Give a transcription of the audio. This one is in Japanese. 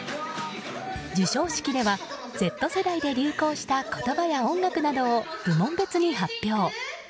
授賞式では、Ｚ世代で流行した言葉や音楽などを部門別に発表。